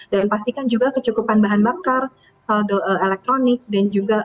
dan pastikan juga kecukupan bahan bakar saldo elektronik dan juga